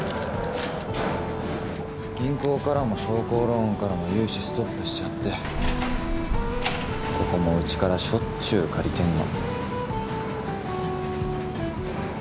銀行からも商工ロ―ンからも融資ストップしちゃってここもうちからしょっちゅう借りてんの。